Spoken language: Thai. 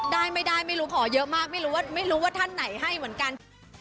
ได้ไม่ได้ไม่รู้ขอเยอะมากไม่รู้ว่าท่านไหนให้เหมือนกัน